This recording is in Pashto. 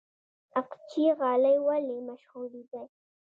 اقچې غالۍ ولې مشهورې دي؟